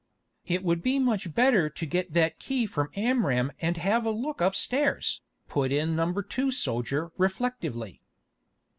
"It would be much better to get that key from Amram and have a look upstairs," put in number two soldier reflectively.